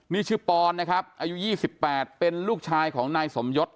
นี่ชื่อปอนอายุยี่สิบแปดเป็นลูกชายของนายสมยส